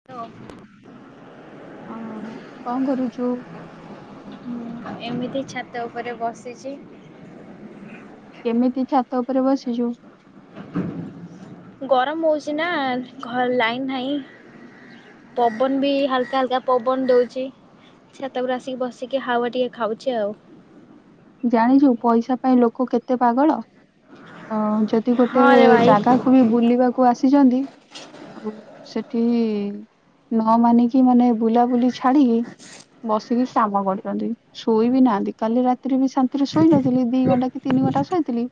Hello. ଅଁ କଣ କରୁଛୁ? ହୁଁ ଏମିତି ଛାତ ଉପରେ ବସିଛି। କେମିତି ଛାତ ଉପରେ ବସିଛୁ? ଗରମ ହଉଛି ନା ଘ ଲାଇନ ନାହିଁ। ପବନ ବି ହାଲକା ହାଲକା ପବନ ଦଉଛି। ଛାତ ଉପରେ ଆସିକି ବସିକି ହାୱ ଟିକେ ଖାଉଛି ଆଉ। ଜାଣିଛୁ ପଇସା ପାଇଁ ଲୋକ କେତେ ପାଗଳ ଅ ଯଦି ଗୋଟେ ହଁ ରେ ଭାଇ। ଜାଗା କୁ ବି ବୁଲିବାକୁ ଆସିଛନ୍ତି ଆଉ ସେଠି ନ ମାନିକି ମାନେ ବୁଲାବୁଲି ଛାଡିକି ବସିକି ସାମ କରଛନ୍ତି ଶୋଇ ବିି ନାହାଁନ୍ତି କାଲି ରା ତିରେ ବି ଶାନ୍ତିରେ ଶୋଇ ନଥିଲି ଦି ଘଣ୍ଟା କି ତିନି ଘଣ୍ଟା ଶୋଇଥିଲି।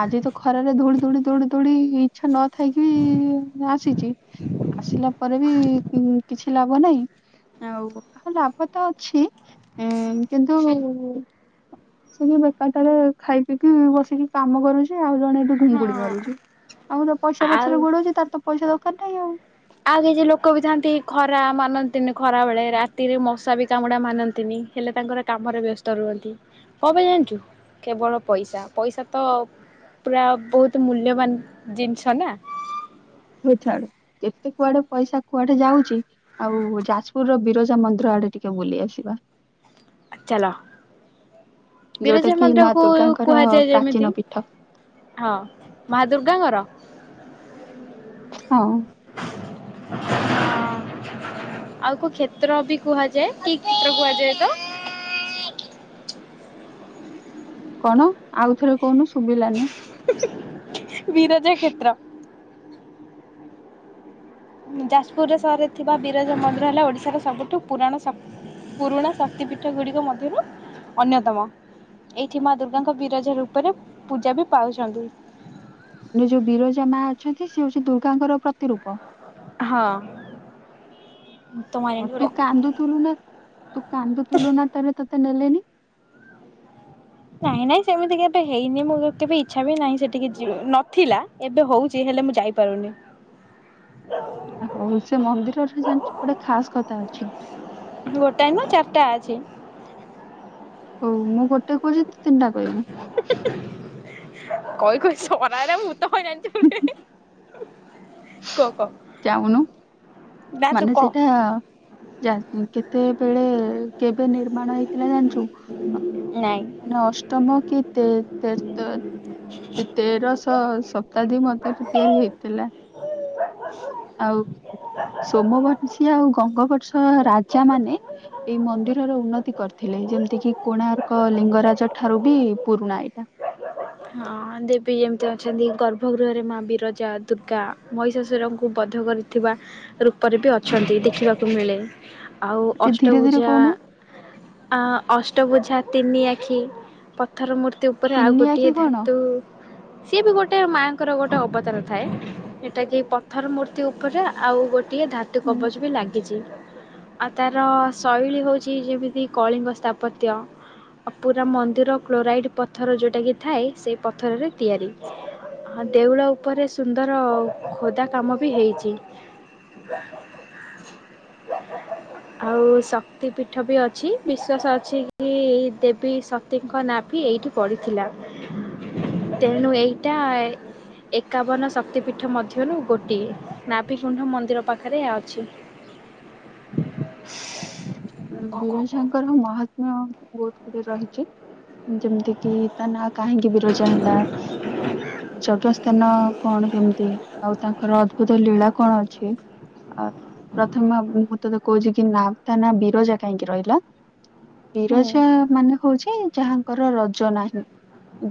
ଆଜି ତ ଖରାରେ ଦୌଡ଼ି ଦୌଡ଼ି ଦୌଡି ଦୌଡି ଇଚ୍ଛା ନଥାଇକି ବି ଆସିଛି। ଆସିଲା ପରେ ବି କି କିଛି ଲାଭ ନାହିଁ। ଆଉ ଆଉ ଲାଭ ତ ଅଛି ଉଁ କିନ୍ତୁ ଆସିକି ବେକାରଟାରେ ଖାଇ ପିଇକି ବସିକି କାମ କରୁଛି ଆଉ ଜଣେ ଏଠି ଘୁଙ୍ଗୁଡି ହଁ। ମାରୁଛି। ଆମେ ତ ପଇସା ଆଉ ପଛରେ ଗୋଡଉଛି ତାର ତ ପଇସା ଦରକାର ନାହିଁ ଆଉ। ଆଉ କିଛି ଲୋକ ବି ଥାନ୍ତି ଖରା ମାନନ୍ତିନି ଖରା ବେଳେ ରାତିରେ ମଶା ବି କାମୁଡା ମାନନ୍ତିନି ହେଲେ ତାଙ୍କର କାମରେ ବ୍ୟସ୍ତ ରୁହନ୍ତି କଣ ଜାଣିଛୁ କେବଳ ପଇସା ପଇସା ତ ପୁରା ବହୁତ ମୂଲ୍ୟବାନ ଜିନିଷ ନା। ହେ ଛାଆଡେ କେତେ କୁଆଡେ ପଇସା କୁଆଡେ ଯାଉଚି। ଆଉ ଯାଜପୁରର ବିରଜା ମନ୍ଦିର ଆଡେ ଟିକେ ବୁଲି ଆସିବା। ଚାଲ ଯୋଉଟା ବିରଜା କି ମା ମନ୍ଦିରକୁ ଦୁର୍ଗାଙ୍କର କୁହାଯାଏ ପ୍ରାଚୀନ ଯେମିତି ପୀଠ ହଁ ମା ଦୁର୍ଗାଙ୍କର। ହଁ। ହଁ। ଆଉ କୋଉ କ୍ଷେତ୍ର ବି କୁହାଯାଏ କି କ୍ଷେତ୍ର କୁହାଯାଏ ତ? କଣ ଆଉଥରେ କହୁନୁ ଶୁଭିଲାନି। ବିରଜା କ୍ଷେତ୍ର। ଯାଜପୁର ସହରରେ ଥିବା ବିରଜା ମନ୍ଦିର ହେଲା ଓଡ଼ିଶାର ସବୁଠୁ ପୁରାଣ ଶାସ୍ ପୁରୁଣା ଶକ୍ତି ପୀଠ ଗୁଡ଼ିକ ମଧ୍ୟରୁ ଅନ୍ୟତମ। ଏଇଠି ମା ଦୁର୍ଗାଙ୍କ ବିରଜା ରୂପରେ ପୂଜା ବି ପାଉଛନ୍ତି। ମାନେ ଯୋଉ ବିରଜା ମା ଅଛନ୍ତି ସେ ହେଉଛି ଦୁର୍ଗାଙ୍କର ପ୍ରତିରୂପ। ହଁ। ତମ ହ ଆଇଲାଣି ତୁ ପରେ କାନ୍ଦୁ ଥିଲୁ ନା ତୁ କାନ୍ଦୁ ଥିଲୁ ନା ତାହାଲେ ତୋତେ ନେଲେନି। ନାଇଁ ନାଇଁ ସେମିତି କେବେ ହେଇନି ମୁଁ ଏତେ ଇଚ୍ଛା ବି ନାହିଁ ସେଠିକି ଯିବା ନଥିଲା। ଏବେ ହୋଉଚି ହେଲେ ମୁଁ ଯାଇପାରୁନି। ହୋଉ ସେ ମନ୍ଦିରରେ ଜାଣିଛୁ ଗୋଟେ ଖାସ୍ କଥା ଅଛି। ଗୋଟାଏ ନୁହଁ ଚାରିଟା ଅଛି। ହୋଉ ମୁଁ ଗୋଟେ କହୁଛି ତୁ ତିନିଟା କହିବୁ। କଇ କଇ ସରା ନା ମୁଁ ତ ମାଇଲାଣି ଜୋରେ। କ କହ। ଯାଉନୁ ମାନେ କହ। ସେଇଟା ଯା କେତେବେଳେ କେବେ ନିର୍ମାଣ ହେଇଥିଲା ଜାଣିଛୁ? ନାଇଁ। ମାନେ ଅଷ୍ଟମ କି ତେ ତେର୍ ତ ତେରଶହ ଶତାବ୍ଦୀ ମଧ୍ୟରେ ତିଆରି ହେଇଥିଲା। ଆଉ ସୋମବଂଶୀ ଆଉ ଗଙ୍ଗବର୍ଷ ରାଜା ମାନେ ଏଇ ମନ୍ଦିରର ଉନ୍ନତି କରିଥିଲେ ଯେମିତି କି କୋଣାର୍କ ଲିଙ୍ଗରାଜ ଠାରୁ ବି ପୁରୁଣା ଏଇଟା। ହଁ ଦେବୀ ଯେମିତି ଅଛନ୍ତି ଗର୍ଭଗୃହରେ ମା ବିରଜା ଦୁର୍ଗା ମହିଶାସୁରଙ୍କୁ କୁ ବଧ କରିଥିବା ରୂପରେ ବି ଅଛନ୍ତି ଦେଖିବାକୁ ମିଳେ। ଆଉ ଟିକେ ଧୀରେ ଧୀରେ ଅଷ୍ଟଭୂଜା କହୁନୁ ଆ ଅଷ୍ଟଭୁଜା ତିନି ଆଖି। ପ ପଥର ମୂର୍ତ୍ତି ଉପରେ ଆଉ ତିନିଆ କି ଗୋଟିଏ କଣ? ଧାତୁ ସିଏ ବି ଗୋଟେ ମାଙ୍କର ଗୋଟେ ଅବତାର ଥାଏ ସେଟା କି ପଥର ମୂର୍ତ୍ତି ଉପରେ। ଆଉ ଗୋଟିଏ ଧାତୁ ହୁଁ କବଚ ବି ଲାଗିଛି। ଆଉ ତାର ଶୈଳୀ ହୋଉଛି ଯେମିତି କଳିଙ୍ଗ ସ୍ଥାପତ୍ୟ। ଆଉ ପୁରା ମନ୍ଦିର କ୍ଲୋରାଇଡ଼୍ ପଥର ଯୋଉଟାକି ଥାଏ ସେ ପଥରରେ ତିଆରି। ହଁ ଦେଉଳ ଉପରେ ସୁନ୍ଦର ଖୋଦା କାମ ବି ହେଇଚି। ଆଉ ଶକ୍ତି ପୀଠ ବି ଅଛି। ବିଶ୍ଵାସ ଅଛି କି ଦେବୀ ଶକ୍ ଶକ୍ତିଙ୍କ ନାଭି ଏଇଠି ପଡ଼ିଥିଲା। ତେଣୁ ଏଇଟା ଏକାବନ ଶକ୍ତି ପୀଠ ମଧ୍ୟରୁ ଗୋଟିଏ। ନାଭି [unintelligible] ମନ୍ଦିର ପାଖରେ ଏହା ଅଛି। ବିରଜାଙ୍କର ମାହାତ୍ମ୍ୟ ବହୁତ ରହିଛି। ଯେମିତି କି ତା ନାଁ କାହିଁକି ବିରଜା ହେଲା। ଯଜ୍ଞ ସ୍ଥାନ କଣ କେମିତି ଆଉ ତାଙ୍କର ଅଦ୍ଭୁତ ଲୀଳା କଣ ଅଛି। ଅ ପ୍ରଥମ ମ ମୁ ତତେ କହୁଚି କି ନାଁ ତା ନାଁ ବିରଜା କାହିଁକି ରହିଲା। ହୁଁ, ବିରଜା ମାନେ ହଉଚି ଯାହାଙ୍କର ରଜ ନାହିଁ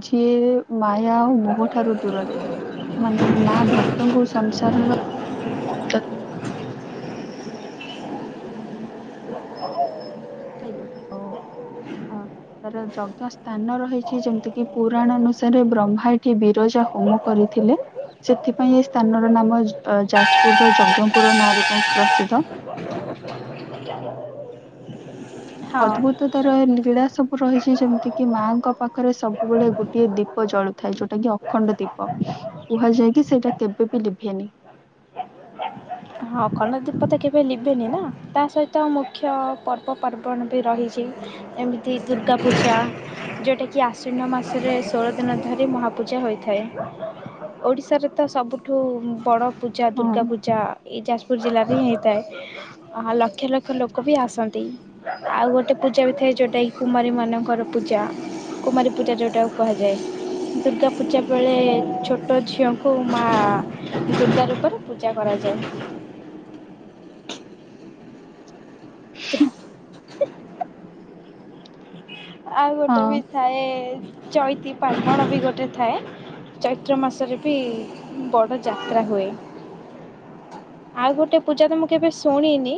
ଯିଏ ମାୟା ଆଉ ମୋହ ଠାରୁ ଦୂରରେ। ମାନେ ମା ଭକ୍ତଙ୍କୁ ସଂସାରର [unintelligible] [unintelligible] ର ଯଜ୍ଞ ସ୍ଥାନର ଯେମିତିକି ପୁରାଣ ଅନୁସାରେ ବ୍ରହ୍ମା ଏଠି ବିରଜା ହୋମ କରିଥିଲେ ସେଥିପାଇଁ ଏଇ ସ୍ଥାନର ନାମ ଯାଜପୁର ର ଯଜ୍ଞପୁର ନାଁରେ ପ୍ରସିଦ୍ଧ। ହଁ ଅଦ୍ଭୁତ ତାର ଲୀଳା ସବୁ ରହିଚି ଯେମିତିକିି ମାଆଙ୍କ ପାଖରେ ସବୁବେଳେ ଗୋଟିଏ ଦୀ ପ ଜଳୁଥାଏ ଯୋଉଟା କି ଅଖଣ୍ଡ ଦୀପ କୁହାଯାଏ କି ସେଇଟା କେବେବି ଲିଭେନି। ହଁ ଅଖଣ୍ଡ ଦୀପ ତ କେବେ ଲିଭେନି ନା ତା ସହିତ ମୁଖ୍ୟ ପର୍ବପାର୍ବଣ ବି ରହିଚି ଏମିତି ଦୁର୍ଗା ପୂଜା ଯେଉଁଟାକି ଆଶ୍ୱିନ ମାସରେ ଷୋଳ ଦିନ ଧରି ମହାପୂଜା ହୋଇଥାଏ। ଓଡ଼ିଶାରେ ତ ସବୁଠୁ ବଡ଼ ପୂଜା ହଁ ଦୁର୍ଗା ପୂଜା ଏ ଯାଜପୁର ଜିଲ୍ଲାରେ ହିଁ ହେଇଥାଏ। ଆ ଲକ୍ଷ ଲକ୍ଷ ଲୋକ ବି ଆସନ୍ତି। ଆଉ ଗୋଟେ ପୂଜା ବି ଥାଏ ଯୋଉଟାକି କୁମାରୀମାନଙ୍କର ପୂଜା। କୁମାରୀ ପୂଜା ଯୋଉଟା କୁହାଯାଏ। ଦୁର୍ଗା ପୂଜା ବେଳେ ଛୋଟ ଝିଅଙ୍କୁ ମା ଦୁର୍ଗା ରୂପରେ ପୂଜା କରାଯାଏ। ଆଉ ହଁ ଗୋଟେ ବି ଥାଏ ଚଇତି [unintelligible] ବି ଗୋଟେ ଥାଏ। ଚୈତ୍ର ମାସରେ ବି ବଡ଼ ଯାତ୍ରା ହୁଏ। ଆଉ ଗୋଟେ ପୂଜା ତ ମୁଁ କେବେ ଶୁଣିନି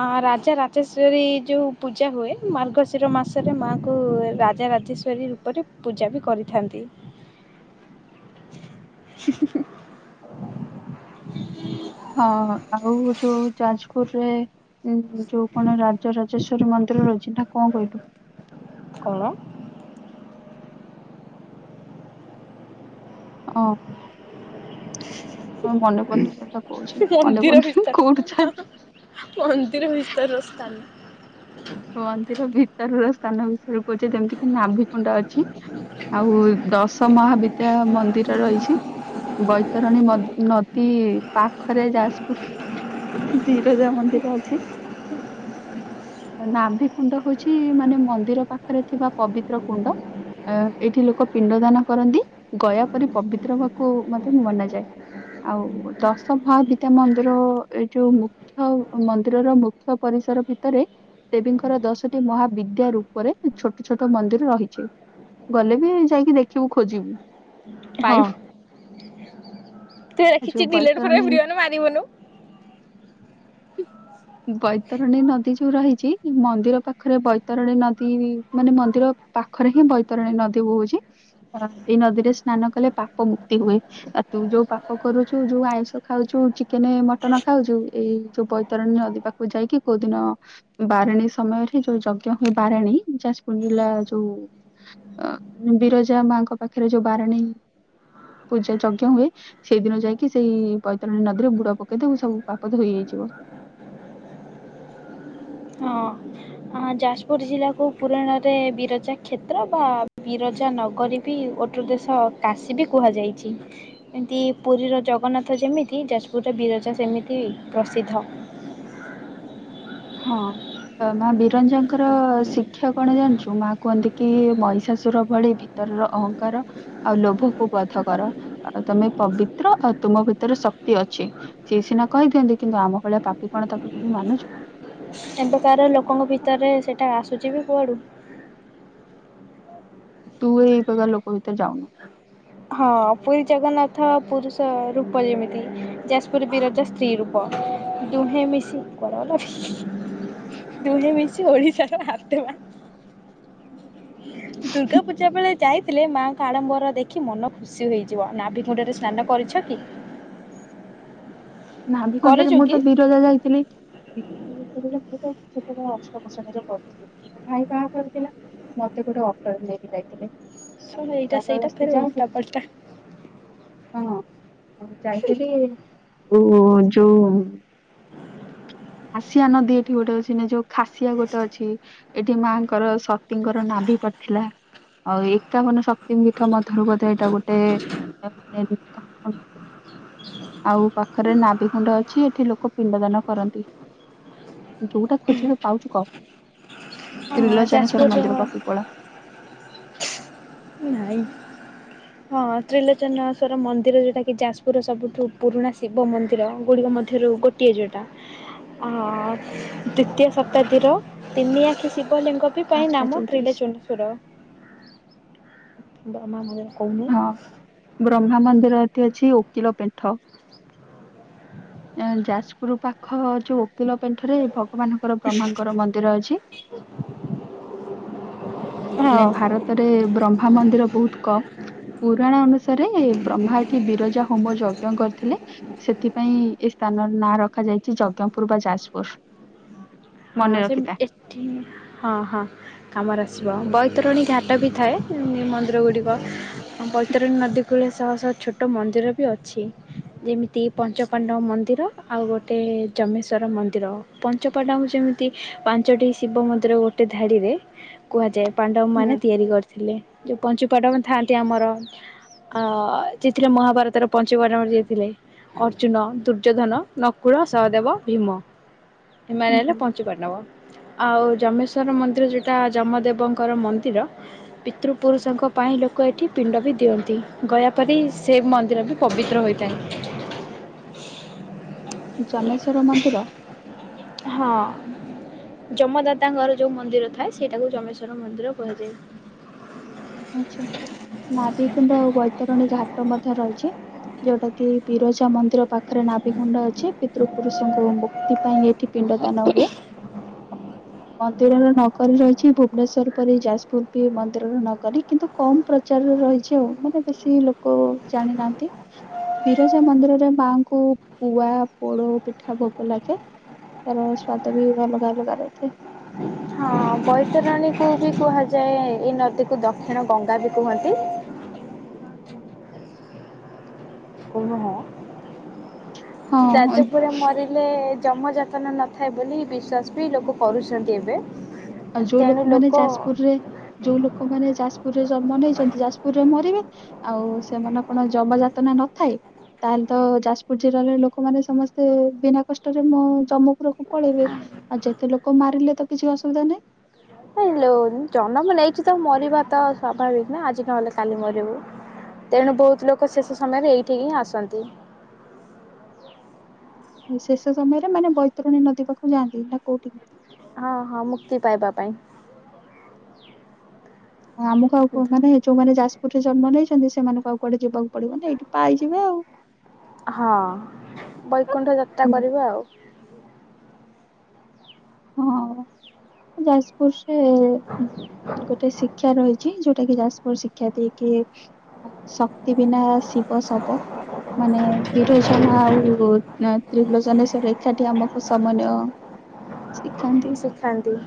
ଅ ରାଜା ରାଜେଶ୍ଵରୀ ଯୋଉ ପୂଜା ହୁଏ ମାର୍ଗଶିର ମାସରେ ମା ଙ୍କୁ ରାଜା ରାଜେଶ୍ଵରୀ ରୂପରେ ପୂଜା ବି କରିଥାନ୍ତି। ହଁ ଆଉ ଯୋଉ ଯାଜପୁରରେ ଉଁ ଯୋଉ କଣ ରାଜରାଜେଶ୍ଵରୀ ମନ୍ଦିର ରହିଚି ନା କଣ କହିଲୁ? କଣ? ଆଁ ହଁ ମନେପଡ଼ୁନି କଥା କହୁଚି ମନେ ମନ୍ଦିର ପଡ଼ୁନି ଭିତର କୋଉଠୁ ଛାଡ଼ି ମନ୍ଦିର ଭିତରର ସ୍ଥାନ। ମନ୍ଦିର ଭିତରର ସ୍ଥାନ [unintelligible] କହୁଛ ଯେମିତି କିି ନାଭିକୁଣ୍ଡ ଅଛି ଆଉ ଦଶ ମହାବିଦ୍ୟା ମ ନ୍ଦିର ରହିଚି ବୈତରଣୀ ମ ନଦୀ ପା ଖରେ ଯାଜପୁର ବିରଜା ମନ୍ଦିର ଅଛି। ନାଭିକୁୁଣ୍ଡ ହଉଚି ମାନେ ମନ୍ଦିର ପାଖରେ ଥିବା ପବିତ୍ର କୁଣ୍ଡ ଏଇଠି ଲୋକ ପିଣ୍ଡ ଦାନ କରନ୍ତି। ଗୟା ଏପରି ପବିତ୍ରବାକୁ ମତେ ମନାଯାଏ। ଆଉ ଦଶ ଭହାବଦ୍ୟା ମନ୍ଦିର ଏ ଯୋଉ ମୁ ହଉ ମନ୍ଦିରର ମୁଖ୍ୟ ପରିସର ଭିତରେ ଦେବୀଙ୍କର ଦଶଟି ମହାବିଦ୍ୟା ରୂପରେ ଛୋଟ ଛୋଟ ମନ୍ଦିର ରହିଛି। ଗଲେ ବି ଯାଇକି ଦେଖିବୁ ଖୋଜିବୁ ପାଇବ ସେ ଲେଖିଛି ଯୋଉ ଡିଲେଟ ଫର୍ ବୈତରଣୀ ଏଭ୍ରିୱାନ୍ ମାରିବୁନୁ। ବୈତରଣୀ ନଦୀ ଯୋଉ ରହିଛି ମନ୍ଦିର ପାଖରେ ବୈତରଣୀ ନଦୀ ମାନେ ମନ୍ଦିର ପାଖରେ ହିଁ ବୈତରଣୀ ନଦୀ ବହୁଛି। ଅ ଏଇ ନଦୀରେ ସ୍ନାନ କଲେ ପାପ ମୁକ୍ତି ହୁଏ। ଆଉ ତୁ ଯୋଉ ପାପ କରୁଛୁ ଯୋଉ ଆଇଁଷ ଖାଉଛୁ ଚିକେନ ମଟନ ଖାଉଛୁ ଏଇ ଯୋଉ ବୈତରଣୀ ନଦୀ ପାଖକୁ ଯାଇକି କୋଉ ଦିନ ବାରେଣୀ ସମୟରେ ଯୋଉ ଯଜ୍ଞ ହୁଏ ବାରେଣୀ ଯାଜପୁର ଜିଲ୍ଲା ଯୋଉ ଅ ବିରଜାମାଙ୍କ ପାଖରେ ଯୋଉ ବାରେଣୀ ପୂଜା ଯଜ୍ଞ ହୁଏ ସେଇଦିନ ଯାଇକି ସେଇ ବୈତରଣୀ ନଦୀରେ ବୁଡ ପକେଇ ଦେବୁ ସବୁ ପାପ ଧୋଇ ହେଇଯିବ। ହଁ।। ଅ ଯାଜପୁର ଜିଲ୍ଲା କୁ ପୁରାଣରେ ବିରଜା କ୍ଷେତ୍ର ବା ବିରଜା ନଗରୀ ବି ଓଟ ଦେଶ କାଶୀ ବି କୁହାଯାଇଛି। ଏମିତି ପୁରୀର ଜଗନ୍ନାଥ ଯେମିତି ଯାଜପୁରର ବିରଜା ସେମିତି ପ୍ରସିଦ୍ଧ। ହଁ। ମା ବିରଞ୍ଜାଙ୍କର ଶିକ୍ଷା କଣ ଜାଣିଛୁ? ମା କୁହନ୍ତି କି ମହିଷାସୁର ଭଳି ଭି ତରର ଅହଂଙ୍କାର। ଆଉ ଲୋଭକୁ ବଧ କର, ଆ ତମେ ପବିତ୍ର ଆଉ ତୁମ ଭିତରେ ଶକ୍ତି ଅଛି। ସିଏ ସିନା କହିଦିଅନ୍ତି, କିନ୍ତୁ ଆମ ଭଳିଆ ପାପି କଣ ତାକୁ ଯି ମାନୁଛୁ। ଏବେକାର ଲୋକଙ୍କ ଭିତରେ ସେଇଟା ଆସୁଛି ବି କୁଆଡୁ। ତୁ ଏଇ ପ୍ରକାର ଲୋକ ଭିତରେ ଯାଉନୁ‌। ହଁ, ପୁରୀ ଜଗନ୍ନାଥ ପୁରୁଷ ରୂପ ଯେମିତି ଯାଜପୁର ବିରଜା ସ୍ତ୍ରୀ ରୂପ। ଦୁହେଁ ମିଶି କରନା ଦୁହେଁ ମିଶି ଓଡିଶାର ହାତ ଦୁର୍ଗା ପୂଜା ବେଳେ ଯାଇଥିଲେ ମାଆ କ ଆଡ଼ମ୍ବର ଦେଖି ମନ ଖୁସି ହୋଇଯିବ। ନାଭିଡକୁଣ୍ଡରେ ସ୍ନାନ କରିଛନ୍ତି? ନାଭି କୁଣ୍ଡରେ କରିଛୁ ମୁଁ କି? ତ ବି ଦଦା ଯାଇଥିଲେ [unintelligible] ମୋ ଭାଇ ବାହାଘର ଥିଲା। ମତେ ଗୋଟେ ଅଟୋରେ ନେଇକି ଯାଇଥିଲେ। ଆଉ ଶୁଣ ଏଇଟା ସେଇଟା ଜବରଦସ୍ତି ଫେରେ ଉଲଟା ଯାଇଥିଲି। ପଲଟା ହଁ, ଯାଇଥିଲି ଓ ଯୋଉ ହାସିଆ ନଦୀ ଏଠି ଗୋଟେ ଅଛି ନା ଯୋଉ ଖାସିଆ ଗୋଟେ ଅଛି ଏଠି ମାଆଙ୍କର ସତୀଙ୍କର ନାଭି ପଡିଥିଲା। ଆଉ ଏକାବନ ଶକ୍ତି ମୀଠ ମଧ୍ୟ ଏଇଟା ଗୋଟେ। ହଁ [unintelligible] ଆଉ ପାଖରେ ନାଭିକୁୁଣ୍ଡ ଅଛି ଏଠି ଲୋକ ପିଣ୍ଡ ଦାନ କରନ୍ତି। ଯୋଉଟା ଖୋଜିଲେ ପାଉଛୁ କହ, ହଁ ତ୍ରିଲୋଜନେଶଵର ଯାଜପୁରର ମନ୍ଦିର ପାଖକୁ ପଳା। ନାଇଁ। ହଁ, ତ୍ରିଲୋଚନେଶ୍ୱର ମନ୍ଦିର ଯେଉଁଟାକି ଯାଜପୁରର ସବୁଠୁ ପୁରୁଣା ଶିବ ମନ୍ଦିର। ଏ ଗୁଡ଼ିକ ମଧ୍ୟରୁ ଗୋଟେ ଇଏ ଯୋଉଟା ହ ଦ୍ୱଵିତୀୟ ଶତାବ୍ଦୀର ତିନି ଆଖି ଶିବଲିଙ୍ଗ ପାଇଁ ପାଞ୍ଚଟା ନାମ ଚଉତିରିଶ ତ୍ରିଲେଚୁସୁର। ବ୍ରହ୍ମା ମୟୂ ହଁ ବ୍ରହ୍ମା ମନ୍ଦିର ଏଠି ଅଛି ଓକିଲ ପେଣ୍ଠ। ଏଁ ଯାଜପୁର ପାଖ ଯୋଉ ଓକିଲ ପେଣ୍ଠରେ ଭଗବାନଙ୍କର ବ୍ରହ୍ମାଙ୍କର ମନ୍ଦିର ଅଛି। [unintelligible] ମାନେ ହଁ ଭାରତରେ ବ୍ରହ୍ମା ମନ୍ଦିର ବହୁତ କମ। ପୁରାଣ ଅନୁସାରେ ବ୍ରହ୍ମା ଏଠି ବିରଜା ହୋମ ଯଜ୍ଞ କରିଥିଲେ। ସେଥିପାଇଁ ଏ ସ୍ଥାନର ନାଁ ରଖାଯାଇଛି ଜଜ୍ଞପୁର ବା ଯାଜପୁର। ହଁ ମନେ ସେ ରଖିଥା। ଏଠି ହଁ ହଁ। କାମରେ ଆସିବ। ବୈତରଣୀ ଘାଟ ବି ଥାଏ ମନ୍ଦିର ଗୁଡ଼ିକ ବୈତରଣୀ ନଦୀ। କୁଳେ ଶହ ଶହ ଛୋଟ ମନ୍ଦିର ବି ଅଛି। ଯେମିତି ପଞ୍ଚପାଣ୍ଡବ ମନ୍ଦିର, ଆଉ ଗୋଟେ ଜମେଶ୍ଵର ମନ୍ଦିର, ପଞ୍ଚପାଣ୍ଡବ। ଯେମିତି ପାଞ୍ଚଟି ଶିବ ମନ୍ଦିର ଗୋଟେ ଧାଡିରେ କୁହାଯାଏ। ପାଣ୍ଡବ ମାନେ ହୁଁ ତିଆରି କରି- ଥିଲେ। ଯଉପଞ୍ଚୁପାଣ୍ଡବ ଥାଆନ୍ତି ଆମର। ଆ ଯିଏ ଥିଲେ ମହାଭାରତର ପଞ୍ଚୁ ପାଣ୍ଡବ ଯିଏ ଥିଲେ। ଅର୍ଜୁନ, ଦୁର୍ଯ୍ୟୋଧନ, ନକୁଳ, ସହଦେବ, ଭୀମ ଏମାନେ ହେଲେ ହୁଁ। ପଞ୍ଚୁପାଣ୍ଡବ। ଆଉ ଯମେଶ୍ଵର ମନ୍ଦିର ଯେଉଟା ଯମଦେବଙ୍କର ମନ୍ଦିର ପିତୃପୁରୁଷଙ୍କ ପାଇଁ ଲୋକ ଏଠି ପିଣ୍ଡ ବି ଦିଅନ୍ତି। ଗୟାପରି ସେ ମନ୍ଦିର ବି ପବିତ୍ର ହୋଇଥାଏ। ଜମେଶ୍ଵର ମନ୍ଦିର! ହଁ, ଯମଦାଦାଙ୍କର ଯୋଉଁ ମନ୍ଦିର ଥାଏ, ସେଇଟାକୁ ଯମେଶ୍ଵର ମନ୍ଦିର କୁହାଯାଏ। ଆଛା। ନାଭିିକୁଣ୍ଡ ବୈତରଣୀ ଘାଟ ମଧ୍ୟ ରହିଛି ଯୋଉଟା କି ବିରଜା ମନ୍ଦିର ପାଖ ପାଖରେ ନାଭି କୁଣ୍ଡ ଅଛି ପିତୃ ପୁରୁଷଙ୍କୁ ମୁକ୍ତି ପାଇଁ ଏଇଠି ପିଣ୍ଡ ଦାନ ହୁଏ। ମନ୍ଦିରର ନଗରୀ ରହିଛି ଭୁବନେଶ୍ଵର ପରି ଯାଜପୁର ବି ମନ୍ଦିରର ନଗରୀ। କିନ୍ତୁ କମ ପ୍ରଚାରରେ ରହିଛି ଆଉ ମାନେ ବେଶୀ ଲୋକ ଜାଣି ନାହାନ୍ତି। ବିରଜା ମନ୍ଦିରରେ ମାଆଙ୍କୁ ପୁଆ ପୋଡ ପିଠା ଭୋଗ ଲାଗେ। ତାର ସ୍ଵାଦ ବି ଅଲଗା ଅଲଗା ରହିଥାଏ। ହଁଅଁ ବୈତରଣୀକୁ ବି କୁହାଯାଏ ଏ ନଦୀକୁ ଦକ୍ଷିଣ ଗଙ୍ଗା ବି କୁହନ୍ତି। କୁ ହଁ ହଁ ଯାଜପୁର ମରି? ହେଲେ ଯମ ଯାତନ ନଥାଏ ବୋଲି ବିଶ୍ୱାସ ବି ଲୋକ କରୁଛନ୍ତି ଏବେ। ଆଉ ଯୋଉ ତେଣୁ ଲୋକମାନେ ଲୋକ ଯାଜପୁରରେ ଯୋଉ ଲୋକମାନେ ଯାଜପୁରରେ ଜନ୍ମ ନେଇଛନ୍ତି ଯାଜପୁରରେ ମରିବେ। ଆଉ ସେମାନେ କଣ ଯମ ଯାତନା ନଥାଏ? ତାହେଲେ ତ ଯାଜପୁର ଜିଲ୍ଲାରେ ଲୋକମାନେ ସମସ୍ତେ ବିନା କଷ୍ଟରେ ମୁ ଯମୁ? ଉପରକୁ ପଳେଇବେ ଆଉ ଯେତେ ଲୋକ ମାରିଲେ ତ କିଛି ଅସୁବିଧା ନାହିଁ। ହାଲୋ ଜନ୍ମ ନେଇଛି ତ ମରିବା ତ ସ୍ୱାଭାବିକ ନା ଆଜି ନ ହେଲେ କାଲି ମରିବୁ। ତେଣୁ ବହୁତ ଲୋକ ଶେଷ ସମୟରେ ଏଇଠିକି ହିଁ ଆସନ୍ତି। ଶେଷ ସମୟରେ ମାନେ ବୈତରଣୀ ନଦୀ ପାଖକୁ ଯାଆନ୍ତି ନା କୋଉଠି? ହଁ ହଁ ମୁକ୍ତି ପାଇବା ପାଇଁ। ଆମକୁ ଆଉ କୋଉମାନେ ଯୋଉମାନେ ଯାଜ ଗୋଠେ ଜନ୍ମ ନେଇଛନ୍ତି ସେମାନଙ୍କୁ ଆଉ କୁଆଡେ ଯିବାକୁ ପଡିବ ନା ଏଇଠି ପାଇଯିବେ ଆଉ। ହଁ ବୈକୁଣ୍ଠ ଯାତ୍ରା ହୁଁ। କରିବେ ଆଉ। ହଁ ଯାଜପୁର ରେ ଗୋଟେ ଶିକ୍ଷା ରହିଛି ଯୋଉ ଜଉଟାକି ଯାଜପୁର ଶିକ୍ଷା ଦିଏକି ଶକ୍ତି ବିନା ଶିବ ଶବ? ମାନେ ବିରଜା ଆଉ ତ୍ରିଲଚନେଶ୍ଵର ଏକା ଠି ଆମକୁ ସମନ ୟ। ଶିଖାନ୍ତି ଶିଖାନ୍ତି।